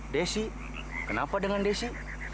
desi kenapa dengan desi